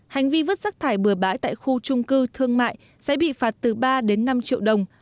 hành vi vứt rác thải bừa bãi tại khu trung cư thương mại sẽ bị phạt từ ba đến năm triệu đồng